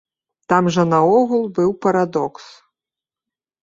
Там жа наогул быў парадокс!